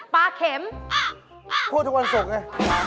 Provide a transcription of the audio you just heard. เข็มพูดทุกวันศุกร์ไง